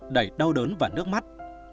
đầy đau đớn và nước mắt